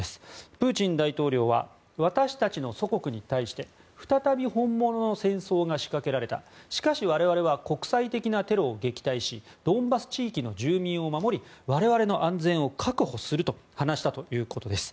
プーチン大統領は私たちの祖国に対して再び本物の戦争が仕掛けられたしかし、我々は国際的なテロを撃退しドンバス地域の住民を守り我々の安全を確保すると話したということです。